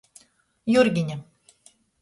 Jurgine.